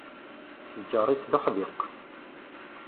Lğar-is, d uḥdiq.